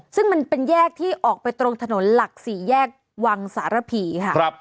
ซึ่งมันเป็นแยกที่ออกไปตรงถนนหลัก๔แยกวังสารผีค่ะ